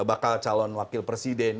bakal calon wakil presiden